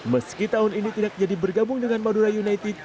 meski tahun ini tidak jadi bergabung dengan madura united